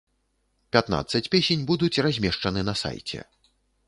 Пятнаццаць песень будуць размешчаны на сайце.